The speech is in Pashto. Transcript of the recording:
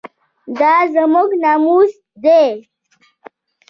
دا زموږ ناموس دی